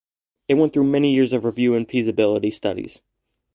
It went through many years of review and feasibility studies.